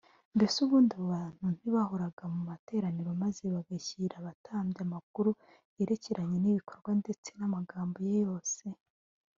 mbese ubundi abo bantu ntibahoraga mu materaniro, maze bagashyira abatambyi amakuru yerekeranye n’ibikorwa ndetse n’amagambo ye yose?